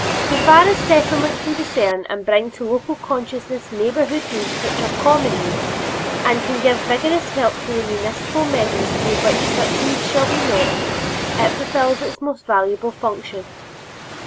So far as a Settlement can discern and bring to local consciousness neighborhood needs which are common needs, and can give vigorous help to the municipal measures through which such needs shall be met, it fulfills its most valuable function.